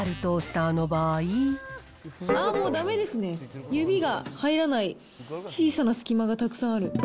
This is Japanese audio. あー、もうだめですね、指が入らない、小さな隙間がたくさんある。